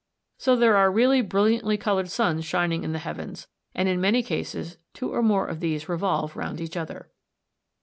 So there are really brilliantly coloured suns shining in the heavens, and in many cases two or more of these revolve round each other.